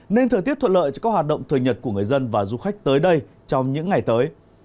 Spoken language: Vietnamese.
nên thời tiết thuận lợi cho các hoạt động thời nhật của người dân và du khách tới đây trong những ngày tới